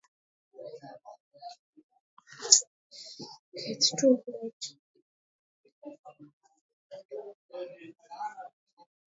Polisi walipiga kambi usiku wa Ijumaa katika eneo ambako kiongozi mkuu wa upinzani alitakiwa kuhutubia wafuasi wake Jumamosi